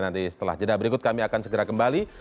nanti setelah jeda berikut kami akan segera kembali